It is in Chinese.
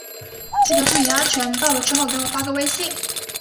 记得注意安全，到了之后给我发个微信。